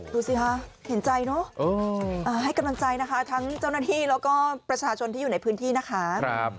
ดูสิคะเห็นใจเนอะให้กำลังใจนะคะทั้งเจ้าหน้าที่แล้วก็ประชาชนที่อยู่ในพื้นที่นะคะ